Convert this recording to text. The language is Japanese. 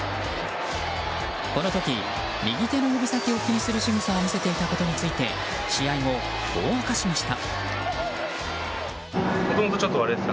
この時、右手の指先を気にするしぐさを見せていたことについて試合後、こう明かしました。